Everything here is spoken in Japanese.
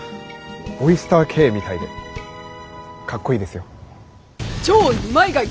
オイスターＫみたいでかっこいいですよ。